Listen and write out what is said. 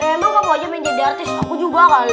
emang kamu aja mau jadi artis aku juga kali